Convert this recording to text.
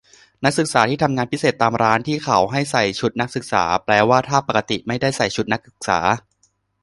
นักศึกษาที่ทำงานพิเศษตามร้านที่เขาให้ใส่ชุดนักศึกษา แปลว่าถ้าปกติไม่ได้ใส่ชุดนักศึกษา